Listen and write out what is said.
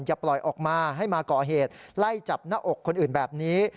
อย่าปล่อยออกมาให้มาก่อเหตุไล่จับหน้าอกคนอื่นแบบนี้